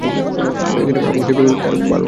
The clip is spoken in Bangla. সোনা, যেভাবে আমাকে প্রশ্ন করছ আমার তা ভালো লাগছে না।